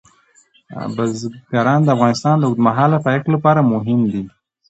بزګان د افغانستان د اوږدمهاله پایښت لپاره مهم دي.